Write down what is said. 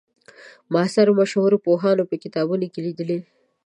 معاصرو مشهورو پوهانو په کتابونو کې لیدلې.